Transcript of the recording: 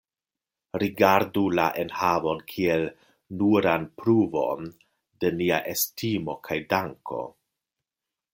Rigardu la enhavon kiel nuran pruvon de nia estimo kaj danko.